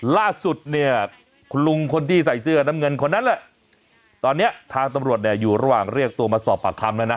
ล่าสุดเนี่ยคุณลุงคนที่ใส่เสื้อน้ำเงินคนนั้นแหละตอนเนี้ยทางตำรวจเนี่ยอยู่ระหว่างเรียกตัวมาสอบปากคำแล้วนะ